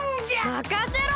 まかせろ！